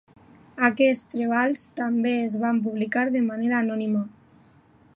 Aquests treballs també es van publicar de manera anònima.